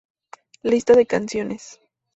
Lista de Canciones.